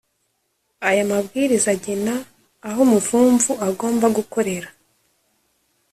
Aya mabwiriza agena aho umuvumvu agomba gukorera